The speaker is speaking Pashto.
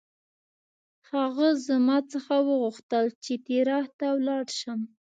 هغه زما څخه وغوښتل چې تیراه ته ولاړ شم.